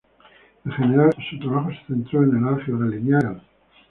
En general, su trabajo se centró en el álgebra lineal y matricial.